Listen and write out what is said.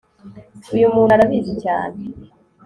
uyumuntu arabizi cyane